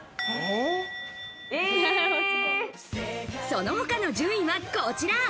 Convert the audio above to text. その他の順位はこちら。